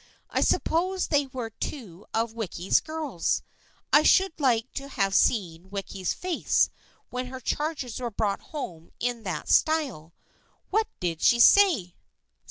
I suppose they were two of Wicky's girls. I should like to have seen Wicky's face when her charges were brought home in that style. What did she say